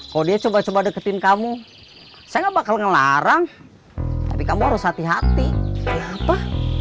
kalau dia coba coba deketin kamu saya gak bakal ngelarang tapi kamu harus hati hati apa